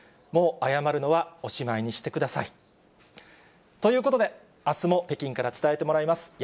もう謝るのはおしまいにしてください。ということで、あすも北京から伝えてもらいます。